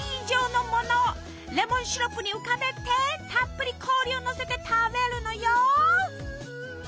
レモンシロップに浮かべてたっぷり氷をのせて食べるのよ！